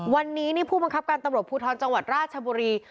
วันนี้นี่ผู้บังคับการตำรวจภูทรจังหวัดราชบุรี